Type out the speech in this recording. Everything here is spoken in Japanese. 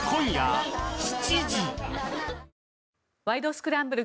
スクランブル」